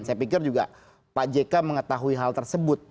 dan saya pikir juga pak jk mengetahui hal tersebut